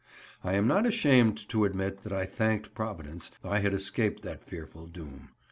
I am not ashamed to admit that I thanked Providence I had escaped that fearful doom.